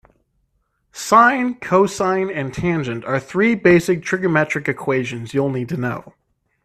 Sine, cosine and tangent are three basic trigonometric equations you'll need to know.